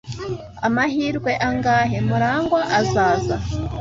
Amahirwe angahe Murangwa azaza?